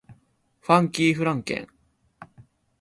ファンキーフランケン